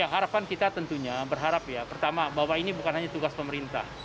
harapan kita tentunya berharap ya pertama bahwa ini bukan hanya tugas pemerintah